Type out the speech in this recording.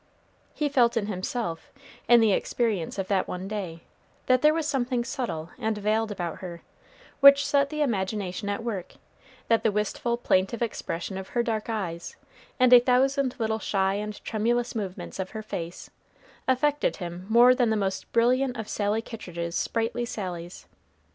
He felt in himself, in the experience of that one day, that there was something subtle and veiled about her, which set the imagination at work; that the wistful, plaintive expression of her dark eyes, and a thousand little shy and tremulous movements of her face, affected him more than the most brilliant of Sally Kittridge's sprightly sallies.